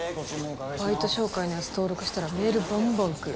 バイト紹介のやつ登録したらメールバンバン来る。